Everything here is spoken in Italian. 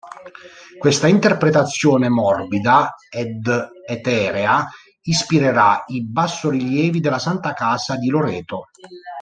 Questa interpretazione morbida ed eterea ispirerà i bassorilievi della Santa Casa di Loreto.